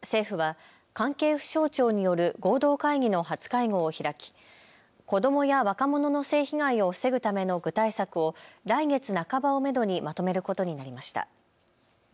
政府は関係府省庁による合同会議の初会合を開き子どもや若者の性被害を防ぐための具体策を来月半ばをめどにまとめることになりました。